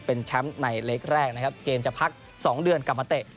เป็นแชมป์ในเล็กแรกนะครับเกมจะพัก๒เดือนกลับมาเตะ